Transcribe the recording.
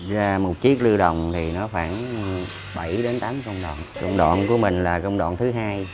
ra một chiếc lưu đồng thì nó khoảng bảy tám công đồng công đoạn của mình là công đoạn thứ hai